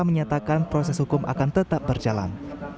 menyatakan proses hukum akan tetap berjalan